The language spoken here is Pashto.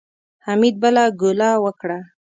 حميد بله ګوله وکړه.